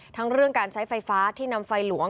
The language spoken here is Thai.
ทั้งเรื่องการใช้ไฟฟ้าที่นำไฟหลวง